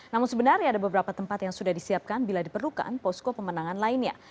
namun sebenarnya ada beberapa tempat yang sudah disiapkan bila diperlukan posko pemenangan lainnya